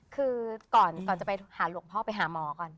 คือก่อนจะไปหาหลวงพ่อไปหาหมอก่อน